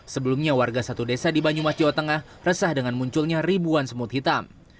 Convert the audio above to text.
sebelumnya warga satu desa di banyumas jawa tengah resah dengan munculnya ribuan semut hitam